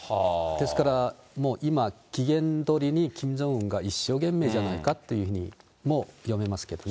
ですから、もう今、機嫌取りにキム・ジョンウンが一生懸命じゃないかというふうにも読めますけどね。